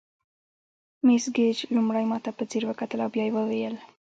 مس ګیج لومړی ماته په ځیر وکتل او بیا یې وویل.